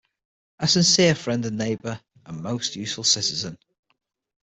A sincere friend and neighbor and most useful citizen.